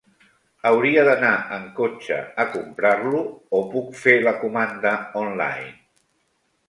Hauria d'anar en cotxe a comprar-lo, o puc fer la comanda online?